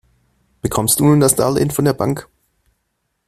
Bekommst du nun das Darlehen von der Bank?